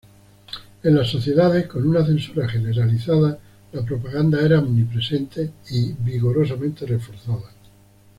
En las sociedades con una censura generalizada, la propaganda era omnipresente y vigorosamente reforzada.